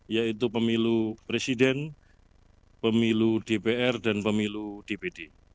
yaitu pemilu presiden pemilu dpr dan pemilu dpd